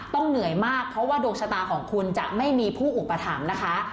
เหนื่อยมากเพราะว่าดวงชะตาของคุณจะไม่มีผู้อุปถัมภ์นะคะ